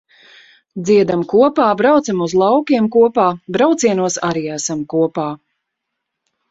Dziedam kopā, braucam uz laukiem kopā, braucienos arī esam kopā.